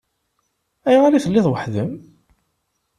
Ayɣer i telliḍ weḥd-m?